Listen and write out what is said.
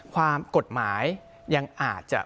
ความกฎหมายยังอาจจะ